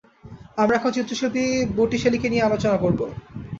আমরা এখন চিত্রশিল্পী বটিশেলীকে নিয়ে আলোচনা করব।